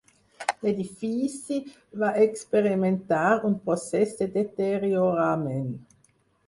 L'edifici va experimentar un procés de deteriorament.